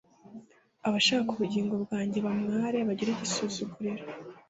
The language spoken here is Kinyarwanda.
Abashaka ubugingo bwanjye bamware bagire igisuzuguriro